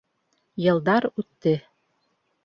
Йылдар үтте.